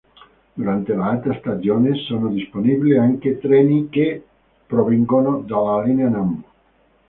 Durante l'alta stagione sono disponibili anche treni che provengono dalla linea Nambu.